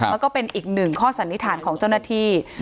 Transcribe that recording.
ก็เป็นอีกหนึ่งข้อสันนิษฐานของเจ้าหน้าที่